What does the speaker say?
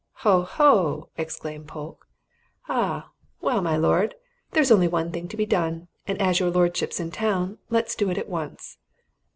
"Ho, ho!" exclaimed Polke. "Ah! Well, my lord, there's only one thing to be done, and as your lordship's in town, let us do it at once."